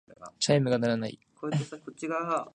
チャイムが鳴らない。